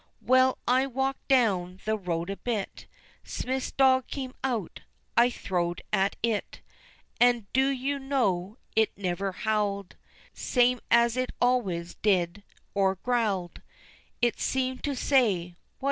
Well, I walked down the road a bit, Smith's dog came out, I throwed at it, An' do you know it never howled Same as it always did, or growled, It seemed to say, "why!